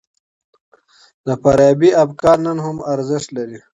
د فارابي افکار نن هم ارزښت لري.